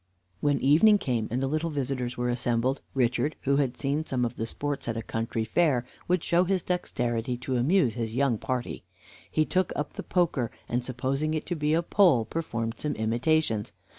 When evening came, and the little visitors were assembled, Richard, who had seen some of the sports at a country fair, would show his dexterity to amuse his young party. He took up the poker, and, supposing it to be a pole, performed some imitations.